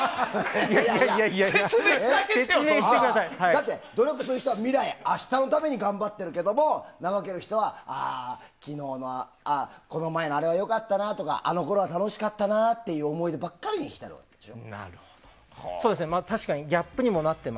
だって、努力する人は未来明日のために頑張ってるけど怠ける人はこの前のあれは良かったなとかあのころは楽しかったなっていう思い出に浸るでしょ。